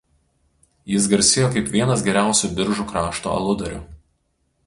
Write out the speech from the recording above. Jis garsėjo kaip vienas geriausių Biržų krašto aludarių.